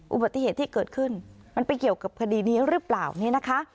อุบัติเหตุที่เกิดขึ้นมันไปเกี่ยวกับคดีนี้หรือเปล่าเนี่ยนะคะ